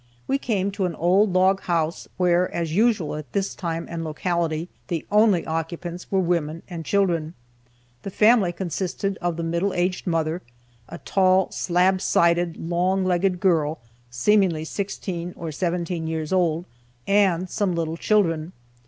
We came to an old log house where, as was usual at this time and locality, the only occupants were women and children. The family consisted of the middle aged mother, a tall, slab sided, long legged girl, seemingly sixteen or seventeen years old, and some little children.